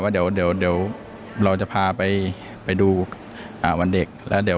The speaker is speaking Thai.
เดี๋ยวเราจะพาไปดูวันเด็ก